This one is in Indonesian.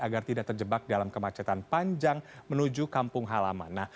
agar tidak terjebak dalam kemacetan panjang menuju kampung halaman